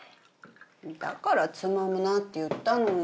だからつまむなって言ったのに。